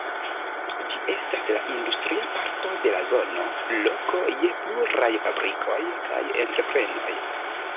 Ĝi estas la industria parto de la zono, loko je pluraj fabrikoj kaj entreprenoj.